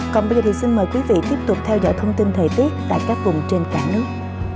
còn bây giờ thì xin mời quý vị tiếp tục theo dõi thông tin thời tiết tại các vùng trên cả nước